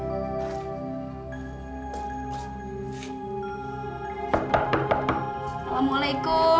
apaan sih ini